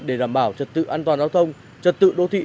để đảm bảo trật tự an toàn giao thông trật tự đô thị